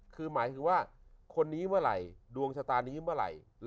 คือหมายถึงว่าคนนี้เมื่อไหร่ดวงชะตานี้เมื่อไหร่